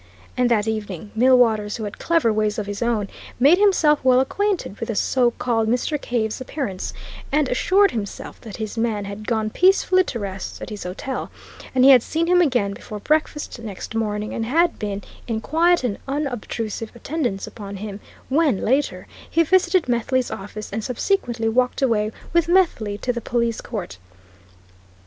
And that evening, Millwaters, who had clever ways of his own, made himself well acquainted with the so called Mr. Cave's appearance, and assured himself that his man had gone peacefully to rest at his hotel, and he had seen him again before breakfast next morning and had been in quiet and unobtrusive attendance upon him when, later, he visited Methley's office and subsequently walked away with Methley to the police court.